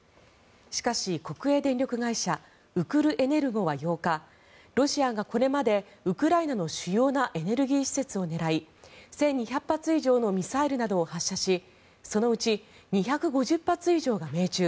しかし、国営電力会社ウクルエネルゴは８日ロシアがこれまでウクライナの主要なエネルギー施設を狙い１２００発以上のミサイルなどを発射しそのうち２５０発以上が命中。